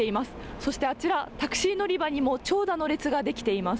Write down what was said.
そしてあちら、タクシー乗り場にも長蛇の列が出来ています。